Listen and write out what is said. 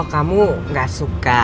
oh kamu gak suka